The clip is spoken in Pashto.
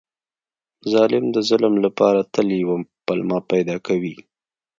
ظالم د ظلم لپاره تل یوه پلمه پیدا کوي.